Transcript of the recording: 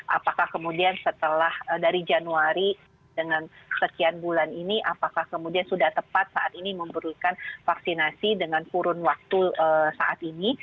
apakah kemudian setelah dari januari dengan sekian bulan ini apakah kemudian sudah tepat saat ini membutuhkan vaksinasi dengan kurun waktu saat ini